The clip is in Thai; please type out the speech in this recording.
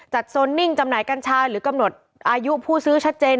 โซนนิ่งจำหน่ายกัญชาหรือกำหนดอายุผู้ซื้อชัดเจน